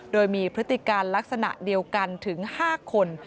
โดยมีพฤติการลักษณะเดียวกันถึง๕คน